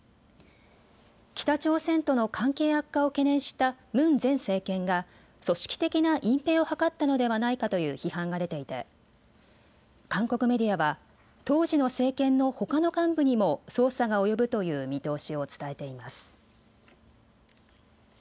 北朝鮮との関係悪化を懸念したムン前政権が組織的な隠蔽を図ったのではないかという批判が出ていて韓国メディアは当時の政権のほかの幹部にも捜査が及ぶという見通しを伝えています。